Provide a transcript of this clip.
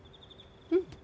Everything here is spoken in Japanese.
うん。